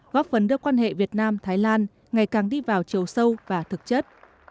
góp phần đưa quan hệ việt nam thái lan ngày càng đi vào chiều sâu và thực chất